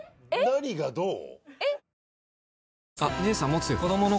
何がどう？